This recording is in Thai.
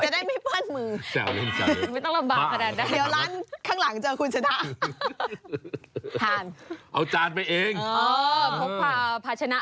เดี๋ยวร้านข้างหลังจะมีคนสะทะ